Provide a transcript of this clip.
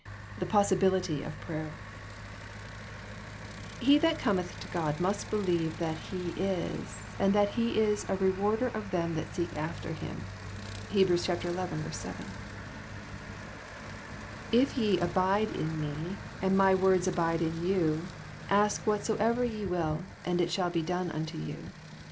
THE POSSIBILITY OF PRAYER *' Re that comeih to God must believe that He is, and that He is a rewarder of them that seek after Him.^^ — Hebrews 11 : 7. ^^ If ye abide in 31e, and My words abide in you, ask whatsoever ye will, and it shall be done unto you.